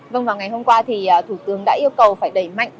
vâng vào ngày hôm qua thì thủ tướng đã yêu cầu phải đẩy mạnh